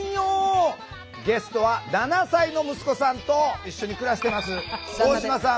ゲストは７歳の息子さんと一緒に暮らしてます大島さん